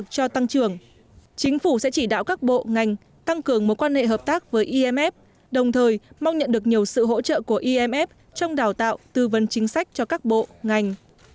chính phủ sẽ chỉ đạo các bộ ngành tăng cường mối quan hệ hợp tác với imf đồng thời mong nhận được nhiều sự hỗ trợ của imf trong đào tạo tư vấn chính sách cho các bộ ngành